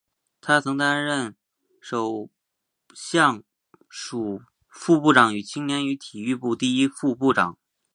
他曾经担任首相署副部长和青年与体育部第一副部长。